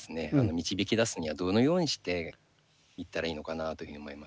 導き出すにはどのようにしていったらいいのかなというふうに思いまして。